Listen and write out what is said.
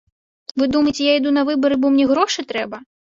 Вы думаеце, я іду на выбары, бо мне грошы трэба?